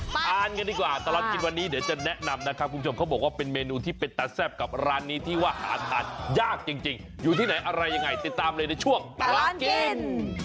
ทานกันดีกว่าตลอดกินวันนี้เดี๋ยวจะแนะนำนะครับคุณผู้ชมเขาบอกว่าเป็นเมนูที่เป็นตาแซ่บกับร้านนี้ที่ว่าหาทานยากจริงอยู่ที่ไหนอะไรยังไงติดตามเลยในช่วงตลอดกิน